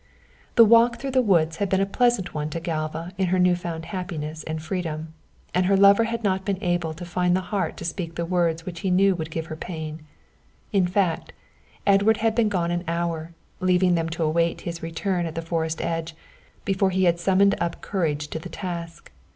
The walk through the woods had been a pleasant one to Galva in her new found happiness and freedom, and her lover had not been able to find the heart to speak the words which he knew would give her pain; in fact, Edward had been gone an hour, leaving them to await his return at the forest edge, before he had summoned up courage to the task.